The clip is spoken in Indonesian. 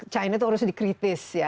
china tuh harus dikritis ya